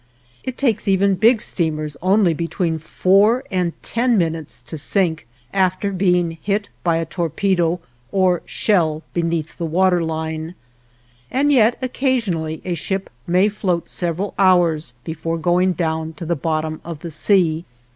It takes even big steamers only between four and ten minutes to sink, after being hit by a torpedo or shell beneath the water line, and yet occasionally a ship may float several hours before going down to the bottom of the sea.